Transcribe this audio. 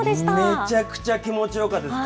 めちゃくちゃ気持ちよかったです。